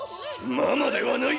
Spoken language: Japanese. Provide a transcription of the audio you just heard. ママではない！